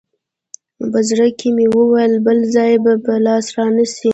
په زړه کښې مې وويل بل ځاى به په لاس را نه سې.